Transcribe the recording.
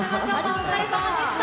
お疲れさまでした。